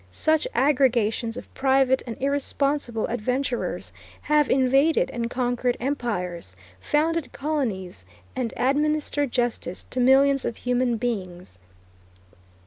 Such aggregations of private and irresponsible adventurers have invaded and conquered empires, founded colonies, and administered justice to millions of human beings.